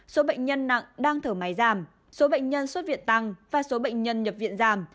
số bệnh nhân nặng đang thở máy giảm số bệnh nhân xuất viện tăng và số bệnh nhân nhập viện giảm